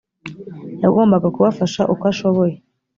yagombaga kubafasha uko ashoboye